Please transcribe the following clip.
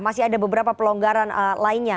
masih ada beberapa pelonggaran lainnya